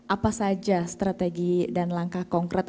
apa saja strategi dan langkah konkret